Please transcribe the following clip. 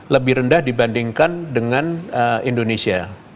lebih rendah dibandingkan dengan indonesia